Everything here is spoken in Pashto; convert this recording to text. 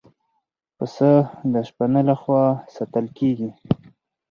پسه د شپانه له خوا ساتل کېږي.